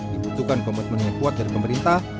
dibutuhkan komitmen yang kuat dari pemerintah